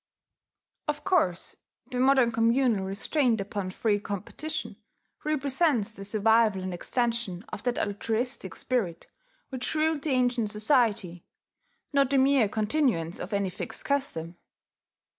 Of course the modern communal restraint upon free competition represents the survival and extension of that altruistic spirit which ruled the ancient society, not the mere continuance of any fixed custom.